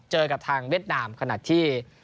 เจอกับทางเวียดนามขณะที่